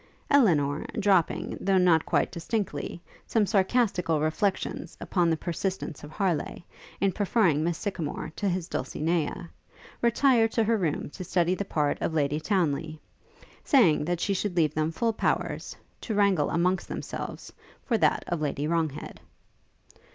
Elinor, dropping, though not quite distinctly, some sarcastical reflections upon the persistence of Harleigh in preferring Miss Sycamore to his Dulcinea, retired to her room to study the part of Lady Townly; saying that she should leave them full powers, to wrangle amongst themselves, for that of Lady Wronghead.